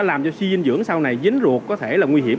làm cho suy dinh dưỡng sau này dính ruột có thể là nguy hiểm